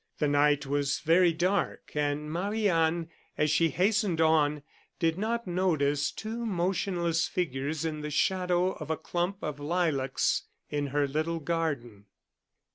The night was very dark, and Marie Anne, as she hastened on, did not notice two motionless figures in the shadow of a clump of lilacs in her little garden.